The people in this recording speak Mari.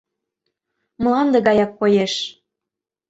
Мланде гаяк коеш.